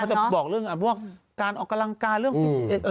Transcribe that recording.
เขาจะบอกเรื่องการออกกำลังกายเรื่องอะไรอย่างนี้